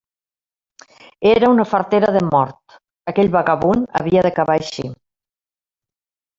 Era una fartera de mort: aquell vagabund havia d'acabar així.